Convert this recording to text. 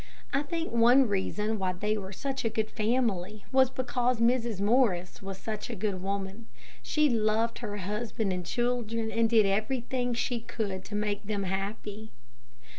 I think one reason why they were such a good family was because Mrs. Morris was such a good woman. She loved her husband and children, and did everything she could to make them happy.